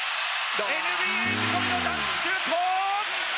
ＮＢＡ仕込みのダンクシュート！